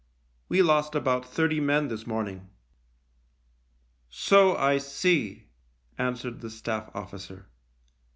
We lost about thirty men this morning." "So I see," answered the Staff officer.